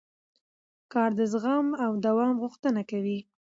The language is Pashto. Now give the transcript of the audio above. کار د زغم او دوام غوښتنه کوي